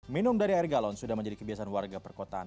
minum dari air galon sudah menjadi kebiasaan warga perkotaan